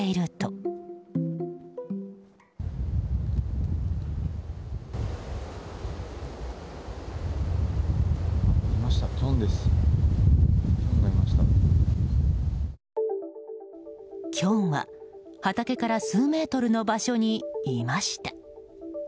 キョンは、畑から数メートルの場所にいました。